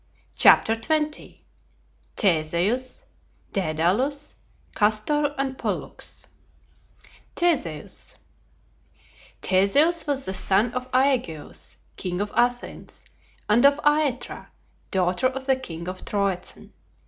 97. CHAPTER XX THESEUS DAEDALUS CASTOR AND POLLUX THESEUS Theseus was the son of Aegeus, king of Athens, and of Aethra, daughter of the king of Troezen.